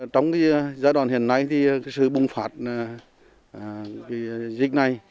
trong giai đoạn hiện nay sự bùng phạt dịch này